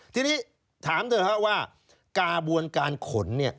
ทีนี้ถามเถอะนะครับว่ากาบวนการขนเนี่ย